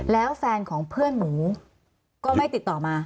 แล้วแฟนของเพื่อนหมูก็ไม่ติดต่อมา